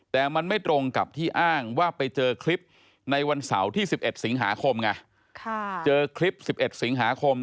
แต่มันไม่ตรงกับที่อ้างว่าไปเจอคลิปในวันเสาร์ที่๑๑สิงหาคม